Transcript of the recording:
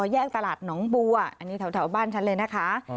แยกตลาดหนองบัวอันนี้แถวบ้านฉันเลยนะคะ